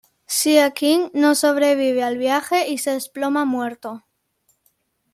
Sea King no sobrevive al viaje y se desploma muerto.